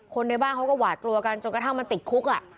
ในบ้านเขาก็หวาดกลัวกันจนกระทั่งมันติดคุก